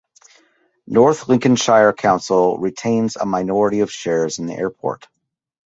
North Lincolnshire Council retains a minority of shares in the Airport.